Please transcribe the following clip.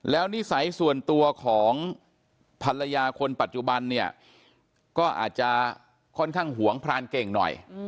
แล้วนิสัยส่วนตัวของภรรยาคนปัจจุบันเนี่ยก็อาจจะค่อนข้างหวงพรานเก่งหน่อย